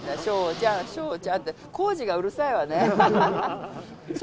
ちゃん、笑ちゃんって、工事がうるさいわね。笑